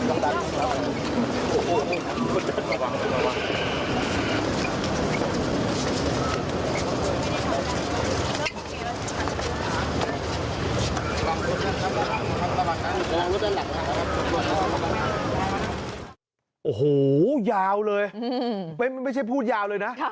โอ้โหยาวเลยไม่ใช่พูดยาวเลยนะ